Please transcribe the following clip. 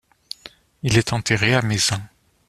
Il est enterré à Mézin.